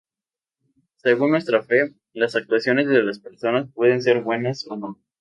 Según nuestra fe, las actuaciones de las personas puede ser buenas o no".